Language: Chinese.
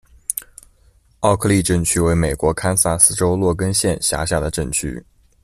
奥克利镇区为美国堪萨斯州洛根县辖下的镇区。